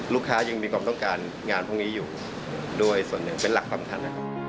ยังมีความต้องการงานพวกนี้อยู่ด้วยส่วนหนึ่งเป็นหลักสำคัญนะครับ